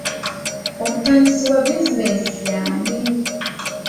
Omutandisi wa bizinensi y'ani?